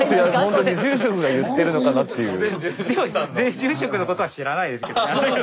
前住職のことは知らないですけどねあの犬。